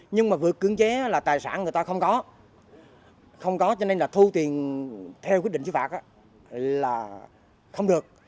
nhưng mà vượt cưỡng chế là tài sản người ta không có không có cho nên là thu tiền theo quyết định xứ phạt là không được